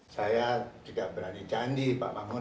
saya tidak berani candi pak mangun